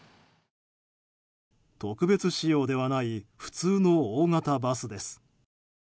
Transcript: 特別仕様ではない普通の大型バスです。